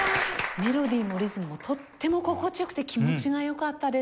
メロディもリズムもとっても心地良くて気持ちが良かったです。